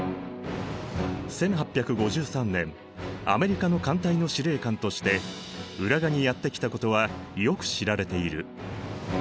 １８５３年アメリカの艦隊の司令官として浦賀にやって来たことはよく知られている。